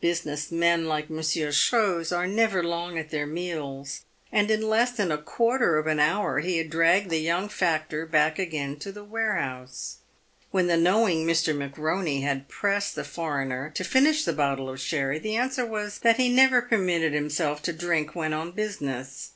Business men like Monsieur Chose are never long at their meals, and in less than a quarter of an hour, he had dragged the young factor back again to the warehouse. When the knowing Mr. McBoney had pressed the foreigner to finish the bottle of sherry, the answer was that he never permitted himself to drink when on business.